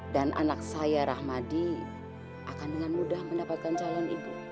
anak saya rahmadi akan dengan mudah mendapatkan calon ibu